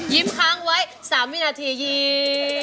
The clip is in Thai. ค้างไว้๓วินาทียิ้ม